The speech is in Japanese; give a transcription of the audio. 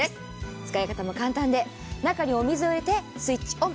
使い方も簡単で、中にお水を入れて、スイッチオン。